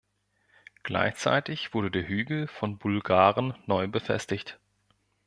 Gleichzeitig wurde der Hügel von Bulgaren neu befestigt.